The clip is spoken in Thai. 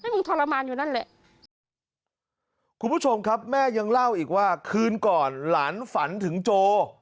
คุณผู้ชมครับแม่ยังเล่าอีกว่าคืนก่อนหลานฝันถึงโจ